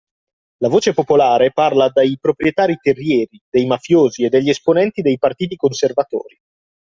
La voce popolare parla dei proprietari terrieri, dei mafiosi e degli esponenti dei partiti conservatori